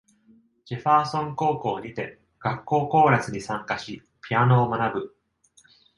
ジェファーソン高校にて、学校コーラスに参加し、ピアノを学ぶ。